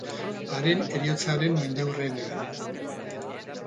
Haren heriotzaren mendeurrenean.